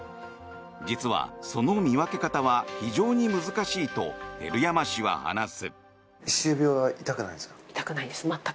実は、その見分け方は非常に難しいと照山氏は話す。